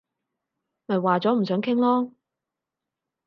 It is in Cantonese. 咪話咗唔想傾囉